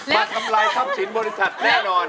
ทำลายทรัพย์สินบริษัทแน่นอน